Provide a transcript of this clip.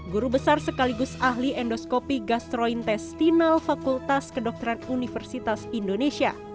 guru besar sekaligus ahli endoskopi gastroin testinal fakultas kedokteran universitas indonesia